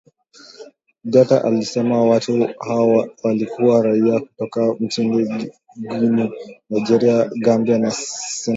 Diatta alisema watu hao walikuwa raia kutoka nchini Guinea, Nigeria, Gambia na Senegal